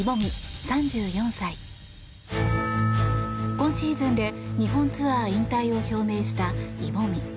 今シーズンで日本ツアー引退を表明したイ・ボミ。